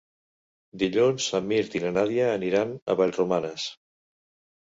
Dilluns en Mirt i na Nàdia aniran a Vallromanes.